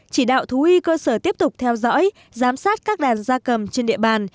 chỉ đạo thú y cơ sở tiếp tục theo dõi giám sát các đàn gia cầm trên địa bàn